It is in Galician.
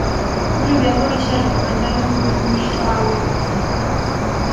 Polo de agora xa recomendaron consumir só auga embotellada.